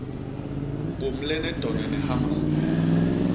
Bômlene tone ni hama!